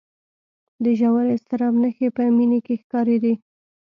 د ژور اضطراب نښې په مينې کې ښکارېدې